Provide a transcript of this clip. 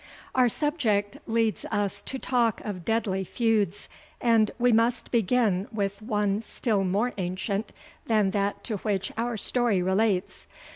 Our subject leads us to talk of deadly feuds, and we must begin with one still more ancient than that to which our story relates.